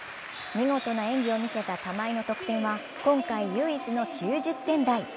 見事な演技を見せた玉井の得点は今回唯一の９０点台。